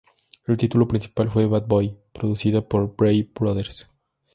El título principal fue "Bad Boy", producida por Brave Brothers.